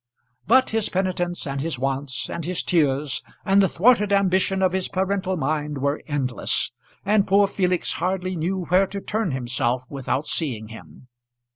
But his penitence, and his wants, and his tears, and the thwarted ambition of his parental mind were endless; and poor Felix hardly knew where to turn himself without seeing him.